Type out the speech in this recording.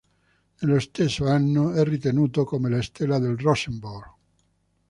Nello stesso anno è ritenuto come la stella del Rosenborg.